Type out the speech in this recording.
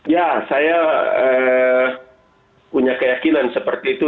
ya saya punya keyakinan seperti itu